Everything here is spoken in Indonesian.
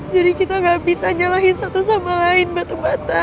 jadi kita gak bisa nyalahin satu sama lain batu bata